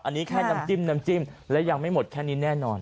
อันนี้แค่น้ำจิ้มแล้วยังไม่หมดแค่นี้แน่นอน